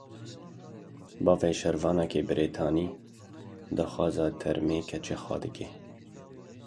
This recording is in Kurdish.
Bavê şervaneke Brîtanî daxwaza termê keça xwe dike.